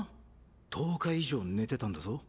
１０日以上寝てたんだぞ。